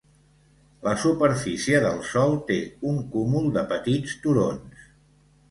La superfície del sòl té un cúmul de petits turons.